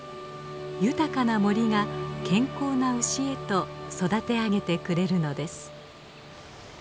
豊かな森が健康な牛へと育てあげてくれるのです。